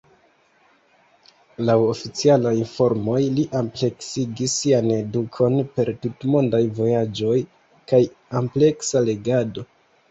Laŭ oficialaj informoj li ampleksigis sian edukon per tutmondaj vojaĝoj kaj ampleksa legado.